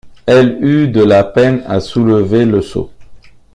Elle eut de la peine à soulever le seau.